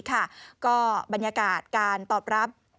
ก็บรรยากาศการตอบรับ